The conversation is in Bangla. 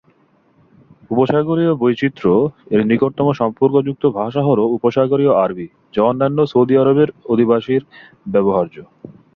উপসাগরীয় বৈচিত্র্য এর নিকটতম সম্পর্কযুক্ত ভাষা হলো উপসাগরীয় আরবি, যা অন্যান্য সৌদি আরবের অধিবাসীর ব্যবহার্য।